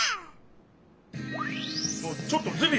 おいちょっとズビ！